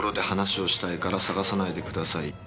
話をしたいから捜さないでください。